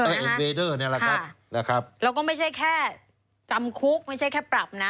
เราก็ไม่ใช่แค่จำคุกไม่ใช่แค่ปรับนะ